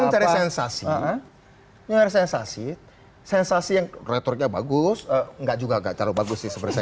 mencari sensasi sensasi sensasi yang retoriknya bagus enggak juga enggak kalau bagus sih sebesar